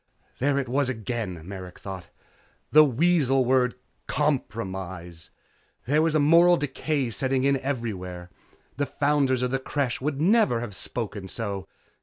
There it was again, Merrick thought, the weasel word 'compromise.' There was a moral decay setting in everywhere the founders of the Creche would never have spoken so.